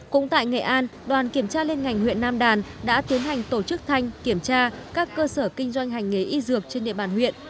cũng tại nghệ an đoàn kiểm tra liên ngành huyện nam đàn đã tiến hành tổ chức thanh kiểm tra các cơ sở kinh doanh hành nghề y dược trên địa bàn huyện